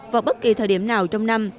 vào bất kỳ thời điểm nào trong năm